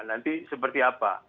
nanti seperti apa